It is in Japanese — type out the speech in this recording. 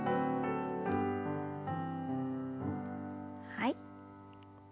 はい。